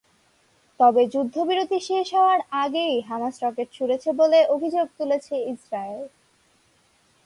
তবে যুদ্ধবিরতি শেষ হওয়ার আগেই হামাস রকেট ছুড়েছে বলে অভিযোগ তুলেছে ইসরায়েল।